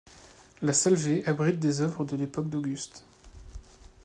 La salle V abrite des œuvres de l'époque d'Auguste.